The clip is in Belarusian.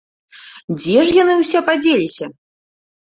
Дзе ж яны ўсе падзеліся?